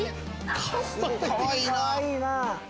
かわいいな。